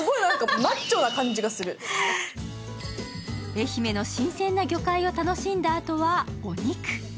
愛媛の新鮮な魚介を楽しんだあとはお肉。